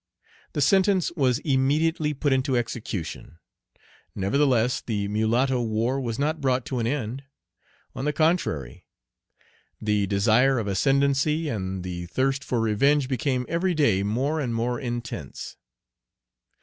The sentence was immediately put into execution. Nevertheless the mulatto war was not brought to an end. On the contrary, the desire of ascendency and the thirst for revenge became every day more and more intense.